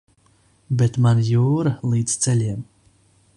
Bet man jūra līdz ceļiem.